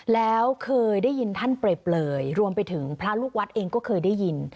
แล้วเคยได้ยินท่านเปรยรวมไปถึงพระลูกวัดเองก็เคยได้ยิน